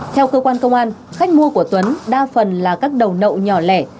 theo cơ quan công an khách mua của tuấn đa phần là các đầu nậu nhỏ lẻ